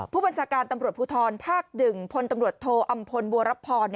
ผู้บัญชาการตำรวจภูทรภาค๑พลตำรวจโทอำพลบัวรับพร